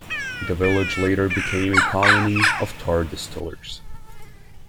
The village later became a colony of tar distillers.